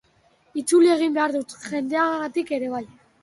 Itzuli egin behar dut, jendeagatik ere bai.